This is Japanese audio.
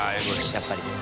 やっぱり。┘